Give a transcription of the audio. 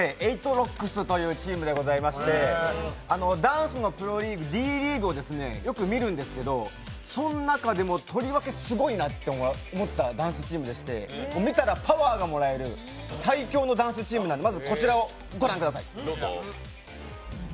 ＲＯＣＫＳでございましてダンスのプロリーグＤリーグをよく見るんですけれどもその中でもとりわけすごいなと思ったダンスチームでして見たらパワーがもらえる最強のダンスチームなのでまずこちらをご覧ください。